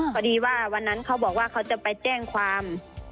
พอดีว่าวันนั้นเขาบอกว่าเขาจะไปแจ้งความ